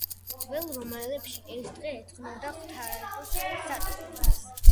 ძველ რომაელებში ეს დღე ეძღვნებოდა ღვთაება სატურნს.